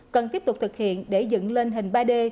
cần tiếp tục thực hiện để dựng lên hình ba d